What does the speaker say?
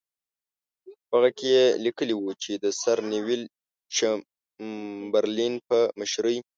په هغه کې یې لیکلي وو چې د سر نیویل چمبرلین په مشرۍ.